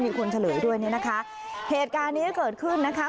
มีคนเฉลยด้วยนะคะเหตุการณ์นี้เกิดขึ้นนะคะ